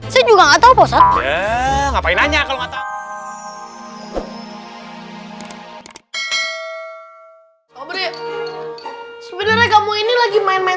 saya juga nggak tahu apa apa ngapain aja kalau nggak tahu sebenarnya kamu ini lagi main main